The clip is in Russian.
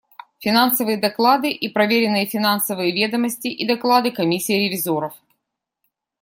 Финансовые доклады и проверенные финансовые ведомости и доклады Комиссии ревизоров.